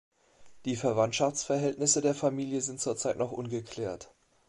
Die Verwandtschaftsverhältnisse der Familie sind zurzeit noch ungeklärt.